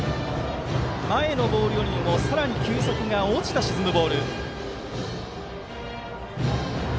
前のボールよりもさらに球速が落ちた沈むボール。